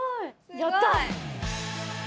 やった！